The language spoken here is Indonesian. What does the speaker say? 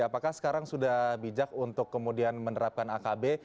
apakah sekarang sudah bijak untuk kemudian menerapkan akb